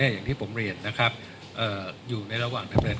อย่างที่ผมเรียนนะครับอยู่ในระหว่างดำเนิน